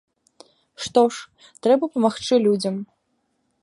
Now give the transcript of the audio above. Што ж, трэба памагчы людзям.